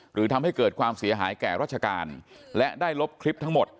หรือทำให้เกิดความเสียหายแก่ราชการและได้ลบคลิปทั้งหมด